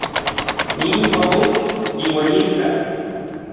Nin kuauitl yiueyijka.